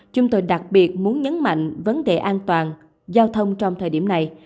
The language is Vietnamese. chúng tôi đặc biệt muốn nhấn mạnh vấn đề an toàn giao thông trong thời điểm này